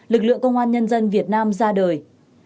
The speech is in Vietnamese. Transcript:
lực lượng công an nhân dân việt nam ra đời